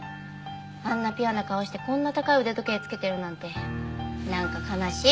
あんなピュアな顔してこんな高い腕時計つけてるなんてなんか悲しい。